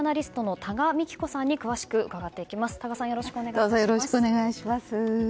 多賀さん、よろしくお願いします。